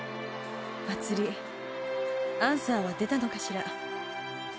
まつりアンサーは出たのかしら？